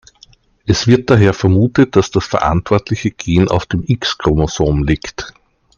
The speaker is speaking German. Es wird daher vermutet, dass das verantwortliche Gen auf dem X-Chromosom liegt.